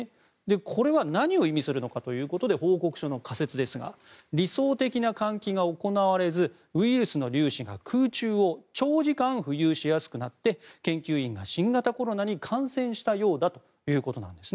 これは何を意味するのかということで報告書の仮説ですが理想的な換気が行われずウイルスの粒子が空中を長時間浮遊しやすくなって研究員が新型コロナに感染したようだということなんです。